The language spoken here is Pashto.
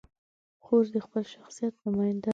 خور د خپل شخصیت نماینده ده.